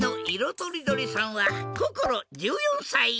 とりどりさんはこころ１４さい。